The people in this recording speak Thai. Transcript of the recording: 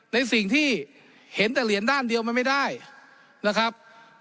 ในสิ่งที่เห็นแต่เหรียญด้านเดียวมันไม่ได้นะครับ